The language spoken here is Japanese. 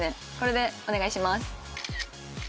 これでお願いします